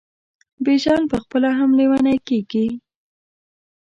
بیژن پخپله هم لېونی کیږي.